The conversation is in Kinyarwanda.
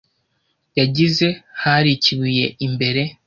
yagize “hari ikibuye imbere”